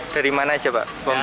dari mana saja pak